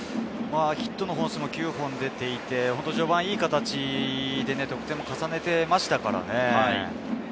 ヒットも９本出ていて、序盤はいい形で得点を重ねていましたからね。